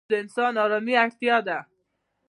خوب د انسان آرامي اړتیا ده